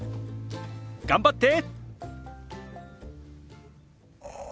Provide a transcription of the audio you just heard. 頑張って！